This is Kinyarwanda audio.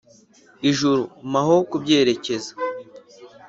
Ijuru m aho kubwerekeza